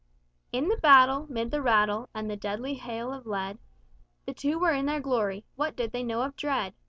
"In the battle, 'mid the rattle, and the deadly hail of lead, The two were in their glory What did they know of dread?